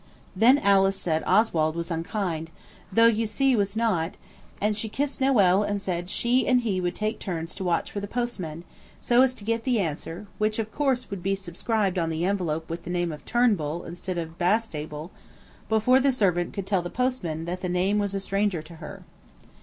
Then Alice said Oswald was unkind, though you see was not, and she kissed Noël and said she and he would take turns to watch for the postman, so as to get the answer (which of course would be subscribed on the envelope with the name of Turnbull instead of Bastable) before the servant could tell the postman that the name was a stranger to her.